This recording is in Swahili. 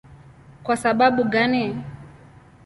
Kwa sababu gani?